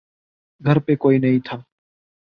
گھر پے کوئی نہیں تھا۔